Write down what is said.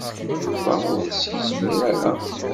Yuba ur as-yezmir ara.